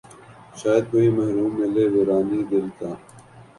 شاید کوئی محرم ملے ویرانئ دل کا